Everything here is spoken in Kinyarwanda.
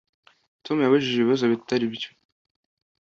Tom yabajije ibibazo bitari byo